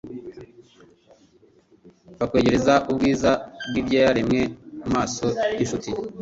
bakwegereza ubwiza bw'ibyaremwe, mu maso y'inshuti